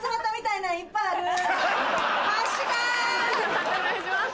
判定お願いします。